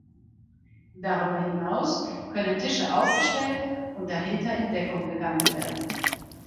Darüber hinaus können Tische aufgestellt und dahinter in Deckung gegangen werden.